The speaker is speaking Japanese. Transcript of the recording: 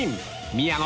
宮野